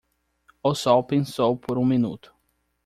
O sol pensou por um minuto.